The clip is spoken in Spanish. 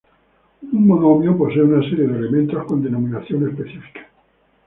Un monomio posee una serie de elementos con denominación específica.